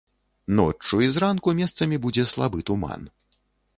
Ноччу і зранку месцамі будзе слабы туман.